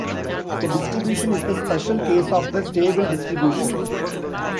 The distribution is a special case of the stable distribution.